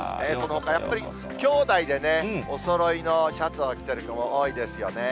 やっぱり、きょうだいでね、おそろいのシャツを来てる子も多いですよね。